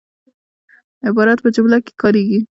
عبارت په جمله کښي کاریږي.